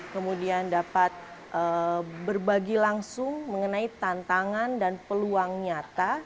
kemudian dapat berbagi langsung mengenai tantangan dan peluang nyata